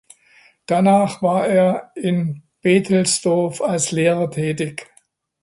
Danach war er in Berthelsdorf als Lehrer tätig.